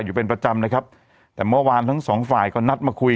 อยู่เป็นประจำนะครับแต่เมื่อวานทั้งสองฝ่ายก็นัดมาคุย